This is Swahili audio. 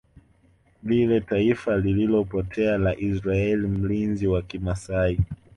vile taifa lililopotea la Israel Mlinzi wa kimasai